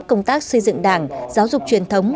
công tác xây dựng đảng giáo dục truyền thống